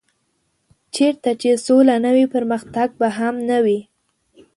چېرته چې سوله نه وي پرمختګ به هم نه وي.